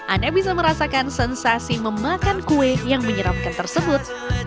anda bisa merasakan sensasi memakan kue yang menyeramkan tersebut